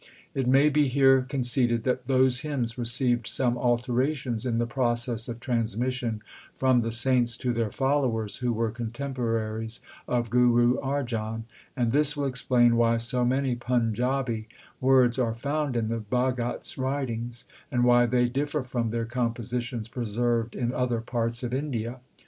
It may be here conceded that those hymns received some alterations in the process of transmission from the saints to their followers who were contemporaries of Guru Arjan ; and this will explain why so many Panjabi words are found in the Bhagats writings, and why they differ from their compositions preserved in other parts of India.